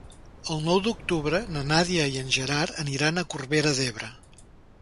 El nou d'octubre na Nàdia i en Gerard aniran a Corbera d'Ebre.